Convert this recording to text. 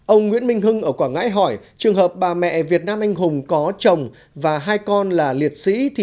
ông nguyễn minh hưng ở quảng ngãi hỏi trường hợp bà mẹ việt nam anh hùng có chồng và hai con là liệt sĩ